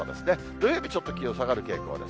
土曜日、ちょっと気温下がる傾向です。